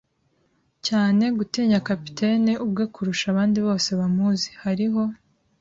cyane gutinya capitaine ubwe kurusha abandi bose bamuzi. Hariho